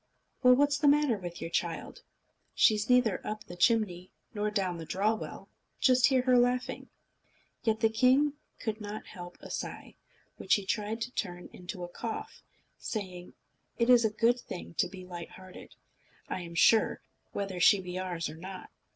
"Well, what's the matter with your child? She's neither up the chimney nor down the draw well. Just hear her laughing." Yet the king could not help a sigh, which he tried to turn into a cough, saying: "It is a good thing to be light hearted, I am sure, whether she be ours or not."